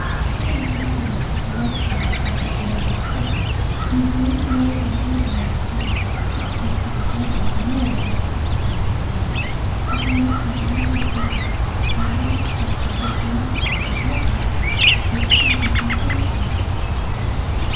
Seeing afterwards Orestes in his raving Fit, he grew more than ordinary serious, and took occasion to moralize (in his way) upon an Evil Conscience, adding, that Orestes, in his Madness, looked as if he saw something.